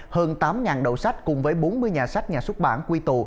hơn tám đậu sách cùng với bốn mươi nhà sách nhà xuất bản quy tụ